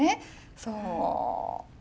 そう。